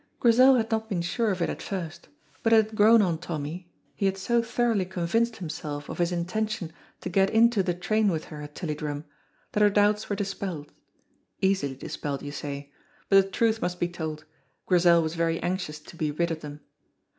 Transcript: Grizel had not been sure of it at first, but it had grown on Tommy, he had so thoroughly convinced himself of his intention to get into the train with her at Tilliedrum that her doubts were dispelled easily dispelled, you say, but the truth must be told, Grizel was very anxious to be rid of them.